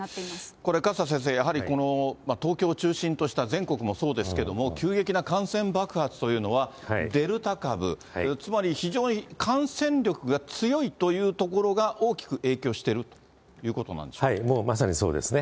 これ、勝田先生、やはり東京を中心とした全国もそうですけれども、急激な感染爆発というのは、デルタ株、つまり非常に感染力が強いというところが大きく影響しているといまさにそうですね。